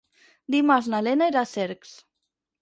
Dimarts na Lena irà a Cercs.